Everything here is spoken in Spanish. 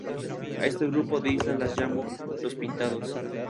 A este grupo de islas las llamó "Los Pintados".